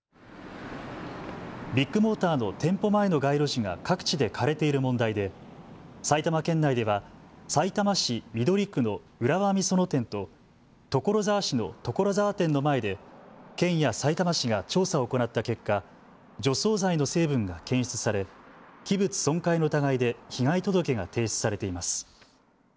ビッグモーターの店舗前の街路樹が各地で枯れている問題で埼玉県内ではさいたま市緑区の浦和美園店と所沢市の所沢店の前で県やさいたま市が調査を行った結果、除草剤の成分が検出され器物損壊の疑いで被害届が提出されています。